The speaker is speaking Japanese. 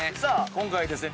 今回ですね